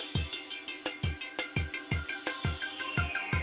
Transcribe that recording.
sangat menarik k nova dan mendes rempah pernyataan